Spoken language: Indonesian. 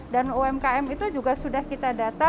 dan umkm itu juga sudah kita data